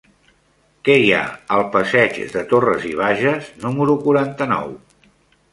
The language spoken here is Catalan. Què hi ha al passeig de Torras i Bages número quaranta-nou?